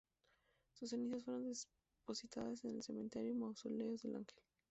Sus cenizas fueron depositadas en el cementerio, Mausoleos del Ángel.